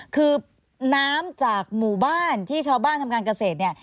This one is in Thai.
คือน้ำจากหมู่บ้านที่ชาวบ้านทำการเกษตรเนี่ย